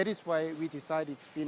itulah sebabnya kami memutuskan